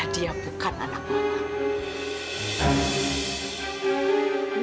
dia bukan anak mama